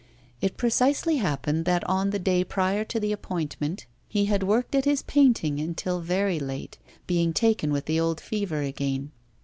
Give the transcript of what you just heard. It precisely happened that on the day prior to the appointment he had worked at his painting until very late, being taken with the old fever again.